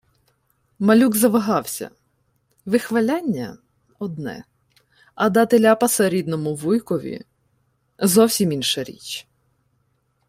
Малюк завагався. Вихваляння — одне, а дати ляпаса рідному вуйкові — зовсім інша річ.